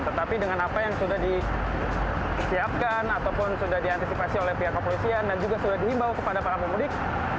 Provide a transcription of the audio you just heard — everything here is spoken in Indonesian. tetapi dengan apa yang sudah disiapkan ataupun sudah diantisipasi oleh pihak kepolisian dan juga sudah dihimbau kepada para pemudik